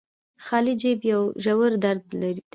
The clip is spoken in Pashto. خالي جب يو ژور درد دې